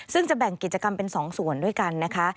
ซึ่งจะแบ่งกิจกรรมเป็น๒ส่วนด้วยกันนะคะ